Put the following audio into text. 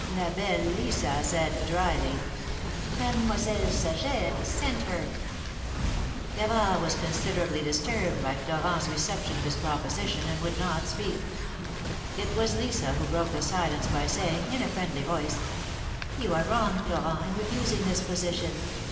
"La belle Lisa" said, dryly: " Mademoiselle Saget sent her !" 96 THE MARKETS OF PARIS. Gavard was considerably disturbed by Florent's recep tion of his proposition, and would not speak. It was Lisa who broke the silence by saying, in a friendly voice : You are wrong, Florent, in refusing this position.